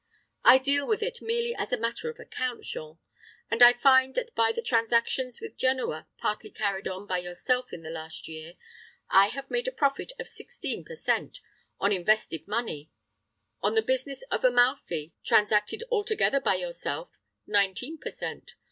I deal with it merely as a matter of account, Jean; and I find that by the transactions with Genoa, partly carried on by yourself in the last year, I have made a profit of sixteen per cent, on invested money; on the business of Amalfi, transacted altogether by yourself nineteen per cent.